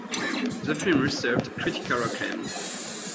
The film received critical acclaim.